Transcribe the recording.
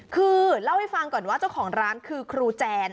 คือเล่าให้ฟังก่อนว่าเจ้าของร้านคือครูแจน